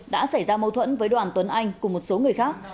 đã xảy ra mâu thuẫn với đoàn tuấn anh cùng một số người khác